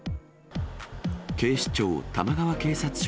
警視庁玉川警察署